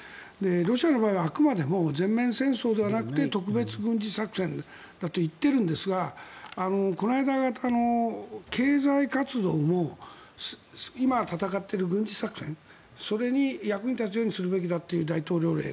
ロシアの場合はあくまでも全面戦争ではなくて特別軍事作戦だと言っているんですがこの間、経済活動も今戦っている軍事作戦それに役に立つようにするべきだっていう大統領令